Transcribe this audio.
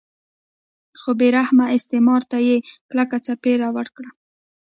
خو بې رحمانه استثمار ته یې کلکه څپېړه ورکړه.